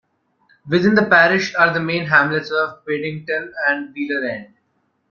Within the parish are the main hamlets of Piddington and Wheeler End.